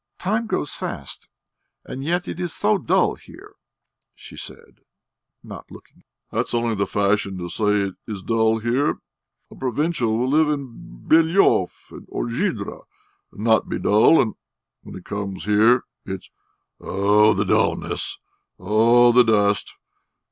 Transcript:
"Time goes fast, and yet it is so dull here!" she said, not looking at him. "That's only the fashion to say it is dull here. A provincial will live in Belyov or Zhidra and not be dull, and when he comes here it's 'Oh, the dulness! Oh, the dust!'